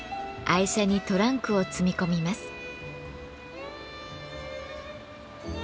愛車にトランクを積み込みます。